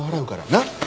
なっ？